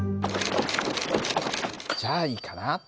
じゃあいいかな。